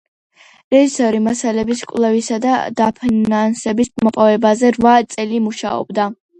რეჟისორი მასალების კვლევასა და დაფინანსების მოპოვებაზე რვა წელი მუშაობდა.